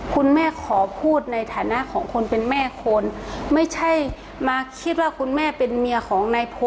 คุณแม่ขอพูดในฐานะของคนเป็นแม่คนไม่ใช่มาคิดว่าคุณแม่เป็นเมียของนายโพ